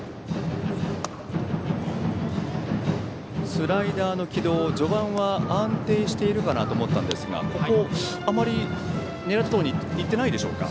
スライダーの軌道序盤は安定しているかなと思ったんですがここ、あまり狙いどおりに行ってないでしょうか。